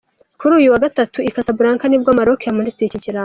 Kuri uyu wa Gatatu i Casablanca nibwo Maroc yamuritse iki kirango.